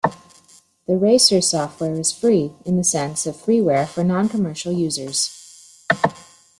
The "Racer" software is free, in the sense of freeware for non-commercial users.